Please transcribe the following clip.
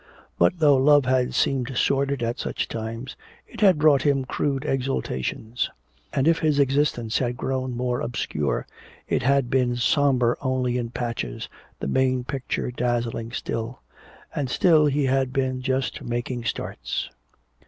But though love had seemed sordid at such times it had brought him crude exultations. And if his existence had grown more obscure, it had been somber only in patches, the main picture dazzling still. And still he had been just making starts.